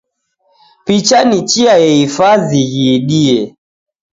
Picha ni chia yehifazi ghiidie